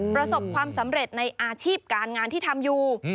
ประสบความสำเร็จในอาชีพการงานที่ทำอยู่